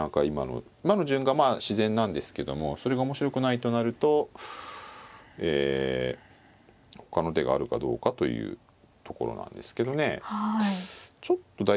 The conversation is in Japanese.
今の順がまあ自然なんですけどもそれが面白くないとなるとえ他の手があるかどうかというところなんですけどね。